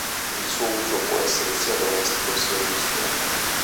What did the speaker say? Il suo uso può essere sia domestico, sia industriale.